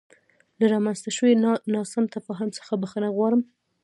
له رامنځته شوې ناسم تفاهم څخه بخښنه غواړم.